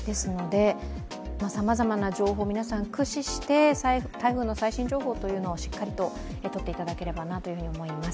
さまざまな情報、皆さん、駆使して台風の最新情報というのをしっかりと取っていただければと思います。